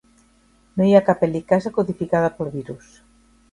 No hi ha cap helicasa codificada pel virus.